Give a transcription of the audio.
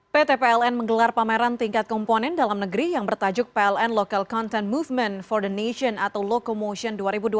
pt pln menggelar pameran tingkat komponen dalam negeri yang bertajuk pln local content movement for the nation atau lokomotion dua ribu dua puluh